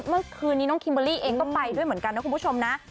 เมื่อคืนนี้น้องคิมเบอร์รี่เองก็ไปด้วยเหมือนกันนะคุณผู้ชมนะ